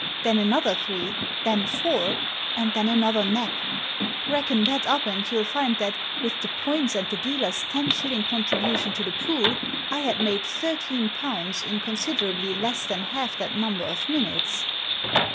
Then another three, then four, and then another Nap. Reckon that up, and you'll find that, with the points and the dealer's ten shilling contribution to the pool, I had made thirteen pounds in considerably less than half that number of minutes.